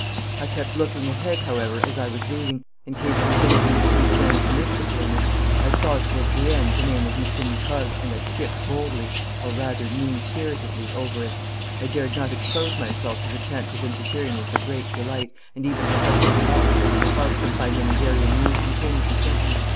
I kept looking ahead, however, as I was reading, in case there was anything too Jansenistical in it. I saw, towards the end, the name of M. Nicole, and I skipped boldly, or, rather, mean spiritedly, over it. I dared not expose myself to the chance of interfering with the great delight, and even shouts of laughter, caused them by many very amusing things you sent me.